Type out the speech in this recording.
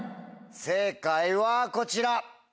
正解はこちら。